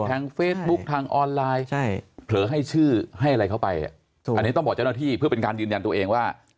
ทางเฟซบุ๊คทางออนไลน์เผลอให้ชื่อให้อะไรเข้าไปอันนี้ต้องบอกเจ้าหน้าที่เพื่อเป็นการยืนยันตัวเองว่า